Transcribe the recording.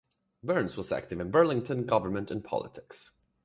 Burns was active in Burlington government and politics.